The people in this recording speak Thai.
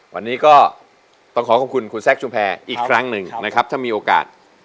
วันนี้ก็ต้องขอขอบคุณคุณแซคชุมแพรอีกครั้งหนึ่งนะครับถ้ามีโอกาส